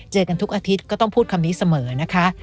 กันทุกอาทิตย์ก็ต้องพูดคำนี้เสมอนะคะ